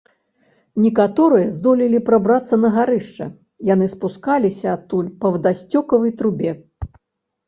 Некаторыя здолелі прабрацца на гарышча, яны спускаліся адтуль па вадасцёкавай трубе.